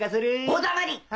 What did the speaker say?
おだまり！